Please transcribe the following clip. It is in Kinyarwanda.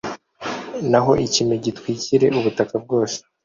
naho ikime gitwikire ubutaka bwose